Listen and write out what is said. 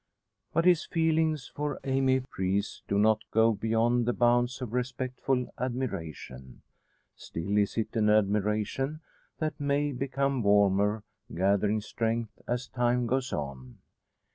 But his feelings for Amy Preece do not go beyond the bounds of respectful admiration. Still is it an admiration that may become warmer, gathering strength as time goes on.